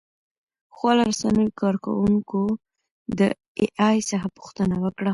خواله رسنیو کاروونکو د اې ای څخه پوښتنه وکړه.